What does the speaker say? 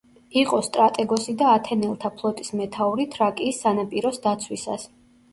იყო სტრატეგოსი და ათენელთა ფლოტის მეთაური თრაკიის სანაპიროს დაცვისას.